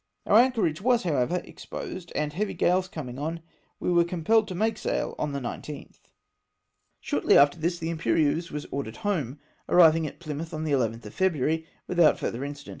Our anchorage was, however, exposed, and heavy gales coming on, we were compelled to make sail on the 19th. Shortly after this the Irnperieuse was ordered home, arriving at Plymouth on the 11th of February, without further incident.